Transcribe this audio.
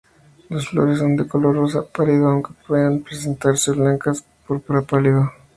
Las flores son de color rosa pálido aunque pueden presentarse blancas o púrpura pálido.